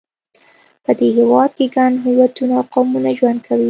په دې هېواد کې ګڼ هویتونه او قومونه ژوند کوي.